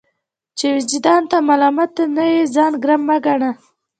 چي وجدان ته ملامت نه يې ځان ګرم مه ګڼه!